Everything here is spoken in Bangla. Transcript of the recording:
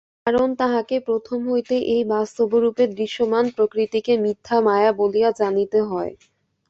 কারণ তাঁহাকে প্রথম হইতেই এই বাস্তবরূপে দৃশ্যমান প্রকৃতিকে মিথ্যা মায়া বলিয়া জানিতে হয়।